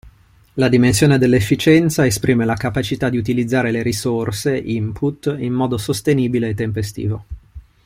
La dimensione dell'efficienza esprime la capacità di utilizzare le risorse (input) in modo sostenibile e tempestivo.